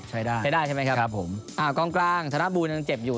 ใช้ได้ใช้ได้ใช่ไหมครับครับผมอ่ากองกลางธนบูลยังเจ็บอยู่